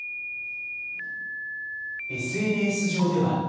ＳＮＳ上では。